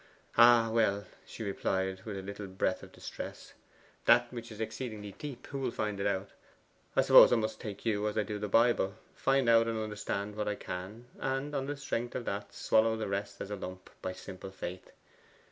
'Ah, well,' she replied, with a little breath of distress, '"That which is exceeding deep, who will find it out?" I suppose I must take you as I do the Bible find out and understand all I can; and on the strength of that, swallow the rest in a lump, by simple faith.